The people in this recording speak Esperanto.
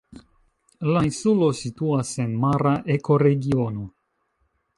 La insulo situas en mara ekoregiono.